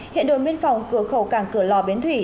hiện đồn biên phòng cửa khẩu càng cửa lò biến thủy